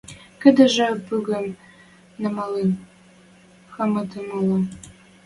Кыдыжы пӱгӹм намалын, хамытым моло.